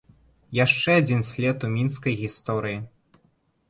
Яшчэ адзін след у мінскай гісторыі.